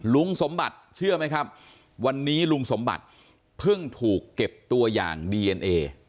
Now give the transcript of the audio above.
ลุงสมบัติเชื่อไหมครับวันนี้ลุงสมบัติเพิ่งถูกเก็บตัวอย่างดีเอ็นเอ